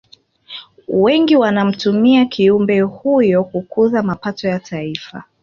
Wengi wanamtumia kiumbe huyo kukuza mapato ya taifa